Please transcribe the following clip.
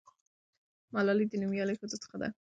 ملالۍ د نومیالۍ ښځو څخه ده.